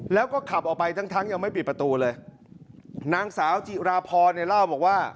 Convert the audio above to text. แล้วก็ขับออกไปทั้งทั้งยังไม่ปิดประตูเลยนางสาวจิราพรเนี่ยเล่าบอกว่า